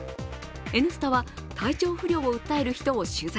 「Ｎスタ」は体調不良を訴える人を取材。